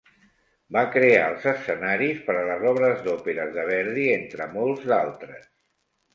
Va crear els escenaris per a les obres d'òperes de Verdi, entre molts d'altres.